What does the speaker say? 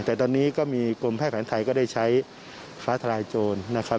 แต่ตอนนี้ก็มีกรมแพทย์แผนไทยก็ได้ใช้ฟ้าทลายโจรนะครับ